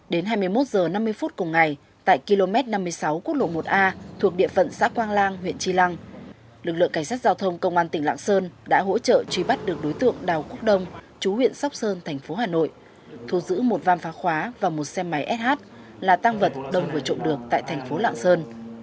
đến hai mươi một h năm mươi phút cùng ngày tại km năm mươi sáu quốc lộ một a thuộc địa phận xã quang lang huyện tri lăng lực lượng cảnh sát giao thông công an tỉnh lạng sơn đã hỗ trợ truy bắt được đối tượng đào quốc đông chú huyện sóc sơn thành phố hà nội thu giữ một vam phá khóa và một xe máy sh là tăng vật đồng vừa trộm được tại thành phố lạng sơn